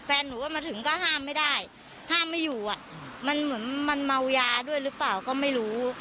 แฟนหนูก็มาถึงก็ห้ามไม่ได้ห้ามไม่อยู่อ่ะมันเหมือนมันเมายาด้วยหรือเปล่าก็ไม่รู้